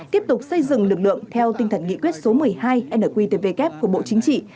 tiếp tục xây dựng lực lượng theo tinh thần nghị quyết số một mươi hai nqtvk của bộ chính trị